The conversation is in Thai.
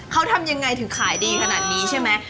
เขาทำยังไงถึงขายดีขนาดนี้ใช่ไหม